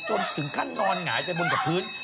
จนถึงขั้นนอนหงายไปบนกับพื้น